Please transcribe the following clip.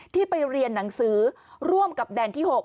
ที่ไปเรียนหนังสือร่วมกับแดนที่๖